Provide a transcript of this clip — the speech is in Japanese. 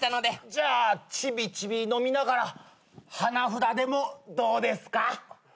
じゃあちびちび飲みながら花札でもどうですか？